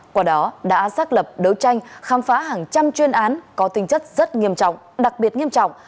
qua đó đã xác lập đấu tranh khám phá hàng trăm chuyên án có tinh chất rất nghiêm trọng đặc biệt nghiêm trọng